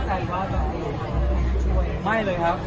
แต่ว่าต้องจะบอกเขาตลอดว่า